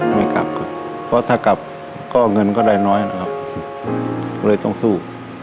ไม่กลับครับเพราะถ้ากลับก็เงินก็ได้น้อยนะครับก็เลยต้องสู้